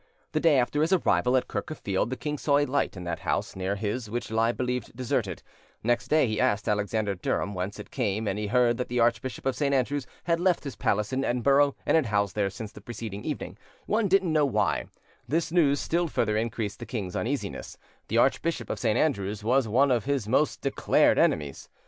The day after his arrival at Kirk of Field, the king saw a light in that house near his which lie believed deserted; next day he asked Alexander Durham whence it came, and he heard that the Archbishop of St. Andrew's had left his palace in Edinburgh and had housed there since the preceding evening, one didn't know why: this news still further increased the king's uneasiness; the Archbishop of St. Andrew's was one of his most declared enemies.